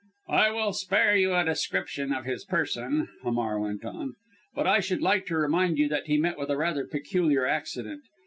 "I will spare you a description of his person," Hamar went on, "but I should like to remind you that he met with a rather peculiar accident.